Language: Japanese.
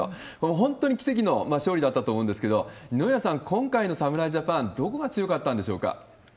本当に奇跡の勝利だったと思うんですけど、二宮さん、今回の侍ジャパン、どこが強かったんでしょうか？